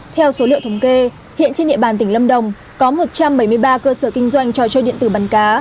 theo số liệu thống kê hiện trên địa bàn tỉnh lâm đồng có một trăm bảy mươi ba cơ sở kinh doanh trò chơi điện tử bắn cá